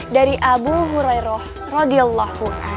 dari abu hurairah